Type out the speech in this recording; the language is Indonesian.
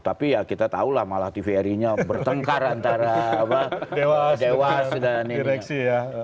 tapi ya kita tahu lah malah tvri nya bertengkar antara dewas dan ini